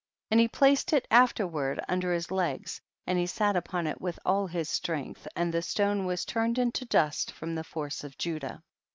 29. And he placed it afterward under his legs, and he sat upon it with all his strength and the stone was turned into dust from the force of Judah.